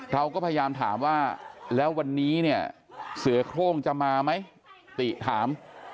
เราก็พยายามถามว่าแล้ววันนี้เนี่ยเสือโครงจะมาไหมติถาม